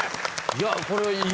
いやこれはいい。